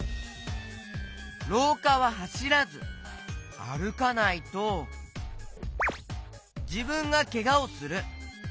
ろうかははしらずあるかないとじぶんがけがをする！